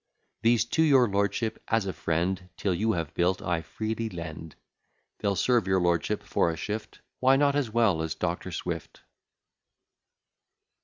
These, to your lordship, as a friend, 'Till you have built, I freely lend: They'll serve your lordship for a shift; Why not as well as Doctor Swift?